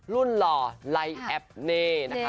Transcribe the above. รุ่นหล่อไลฟ์แอปนี้นะคะ